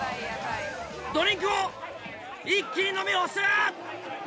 ドリンクを一気に飲み干す！